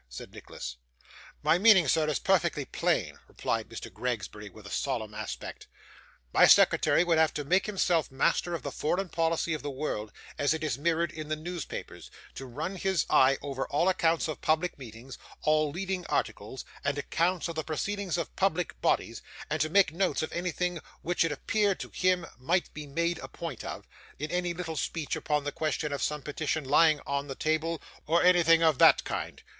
said Nicholas. 'My meaning, sir, is perfectly plain,' replied Mr. Gregsbury with a solemn aspect. 'My secretary would have to make himself master of the foreign policy of the world, as it is mirrored in the newspapers; to run his eye over all accounts of public meetings, all leading articles, and accounts of the proceedings of public bodies; and to make notes of anything which it appeared to him might be made a point of, in any little speech upon the question of some petition lying on the table, or anything of that kind.